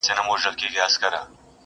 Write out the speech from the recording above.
قاسم یار له زر پرستو بېل په دې سو,